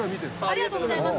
ありがとうございます。